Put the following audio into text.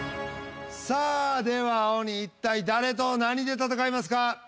さあでは鬼いったい誰と何で戦いますか？